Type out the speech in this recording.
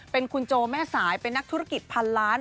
เป็นคุณโจแม่สายเป็นนักธุรกิจพันล้าน